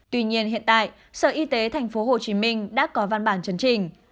tuy nhiên hiện tại sở y tế tp hcm đã có văn bản chấn trình